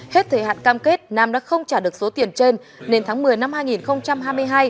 hết thời hạn cam kết nam đã không trả được số tiền trên nên tháng một mươi năm hai nghìn hai mươi hai